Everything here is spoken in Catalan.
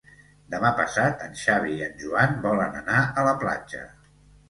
Demà passat en Xavi i en Joan volen anar a la platja.